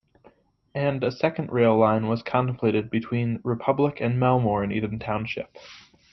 And, a second rail line was contemplated between Republic and Melmore in Eden Township.